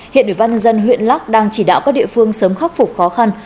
hiện nữ văn dân huyện lắk đang chỉ đạo các địa phương sớm khắc phục khó khăn